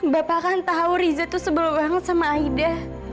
bapak kan tau riza tuh sebelum banget sama aida